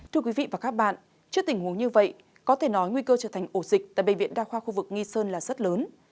thưa quý vị và các bạn trước tình huống như vậy có thể nói nguy cơ trở thành ổ dịch tại bệnh viện đa khoa khu vực nghi sơn là rất lớn